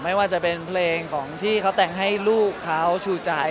ไม่ว่าจะเป็นเพลงของที่เขาแต่งให้ลูกเขาชูใจ